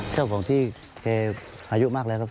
เจ้าของที่แกอายุมากแล้วครับ